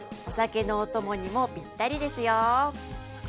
お酒のお供にもぴったりですよ。